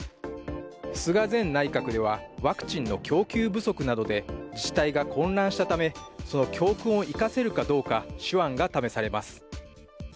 菅前内閣ではワクチンの供給不足などで自治体が混乱したため、その教訓を生かせるかどうか手腕が試されます。